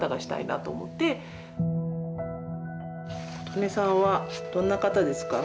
琴音さんはどんな方ですか？